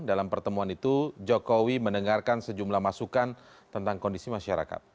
dalam pertemuan itu jokowi mendengarkan sejumlah masukan tentang kondisi masyarakat